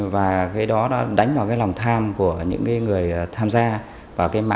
và cái đó đã đánh vào cái lòng tham